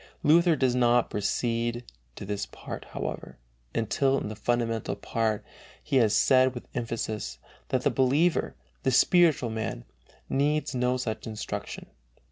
Luther does not proceed to this part, however, until in the fundamental part he has said with emphasis, that the believer, the spiritual man, needs no such instruction (I.